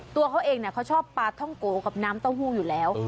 ตัวเขาเองเขาชอบปลาท่องโกกับน้ำเต้าหู้อยู่แล้ว